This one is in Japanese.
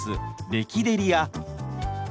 「レキデリ」や。